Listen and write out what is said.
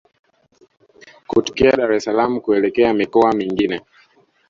Kutokea Dar es salaam kuelekea mikoa mingine